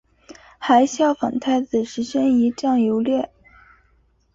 还仿效太子石宣仪仗游猎。